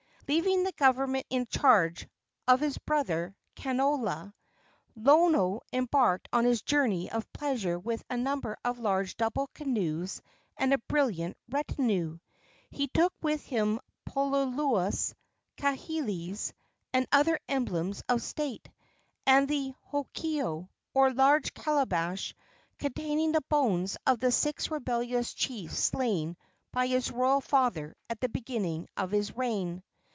Leaving the government in charge of his brother Kanaloa, Lono embarked on his journey of pleasure with a number of large double canoes and a brilliant retinue. He took with him poloulous, kahilis and other emblems of state, and the hokeo, or large calabash, containing the bones of the six rebellious chiefs slain by his royal father at the beginning of his reign.